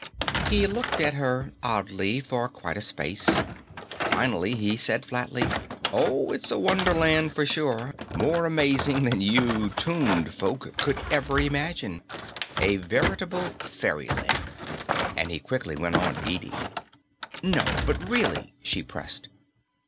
He looked at her oddly for quite a space. Finally, he said flatly, "Oh, it's a wonderland for sure, more amazing than you tombed folk could ever imagine. A veritable fairyland." And he quickly went on eating. "No, but really," she pressed.